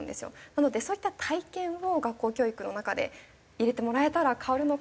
なのでそういった体験を学校教育の中で入れてもらえたら変わるのかなって。